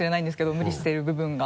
無理してる部分が。